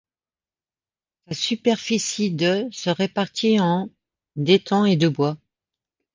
Sa superficie de se répartit en d'étangs et de bois.